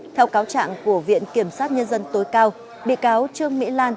theo cáo trạng của viện kiểm sát nhân dân tối cao bị cáo trương mỹ lan